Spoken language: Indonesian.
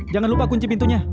jangan lupa kunci pintunya